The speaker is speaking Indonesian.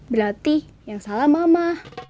berarti yang salah mama